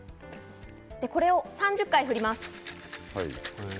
これを３０回振ります。